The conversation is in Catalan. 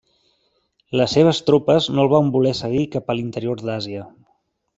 Les seves tropes no el van voler seguir cap a l'interior d'Àsia.